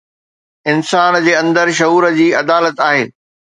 انسان جي اندر شعور جي عدالت آهي.